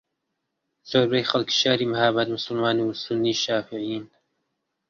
زۆربەی خەڵکی شاری مەھاباد موسڵمان و سوننی شافعیین